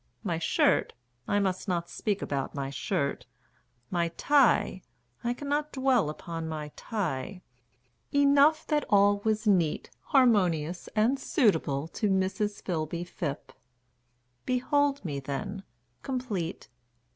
My shirt, I must not speak about my shirt; My tie, I cannot dwell upon my tie Enough that all was neat, harmonious, And suitable to Mrs. Philby Phipp. Behold me, then, complete.